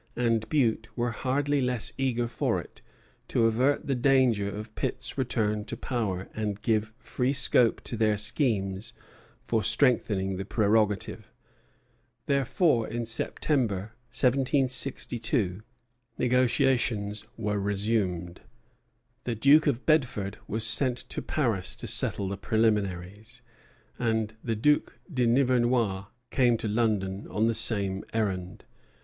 and Bute were hardly less eager for it, to avert the danger of Pitt's return to power and give free scope to their schemes for strengthening the prerogative. Therefore, in September, 1762, negotiations were resumed. The Duke of Bedford was sent to Paris to settle the preliminaries, and the Duc de Nivernois came to London on the same errand.